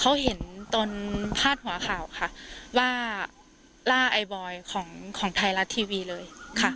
เขาเห็นตอนพาดหัวข่าวค่ะว่าล่าไอบอยของไทยรัฐทีวีเลยค่ะ